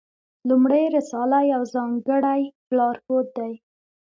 لومړۍ رساله یو ځانګړی لارښود دی.